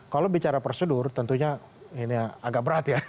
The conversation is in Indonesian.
kalau bicara prosedur tentunya ini agak berat ya